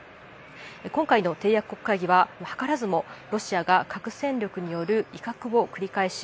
今回の締約国会議は図らずもロシアが核戦力による威嚇を繰り返し